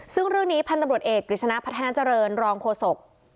ซึ่งเรื่องนี้ภัณฑ์ตรวจเอกริชนะพัฒนาจริงรองโฟศก